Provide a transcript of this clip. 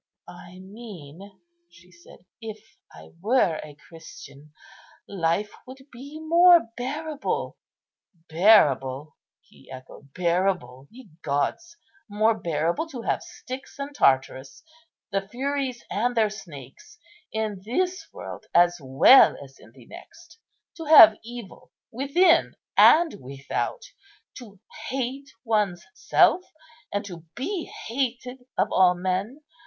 "I mean," she said, "if I were a Christian, life would be more bearable." "Bearable!" he echoed; "bearable! ye gods! more bearable to have Styx and Tartarus, the Furies and their snakes, in this world as well as in the next? to have evil within and without, to hate one's self and to be hated of all men!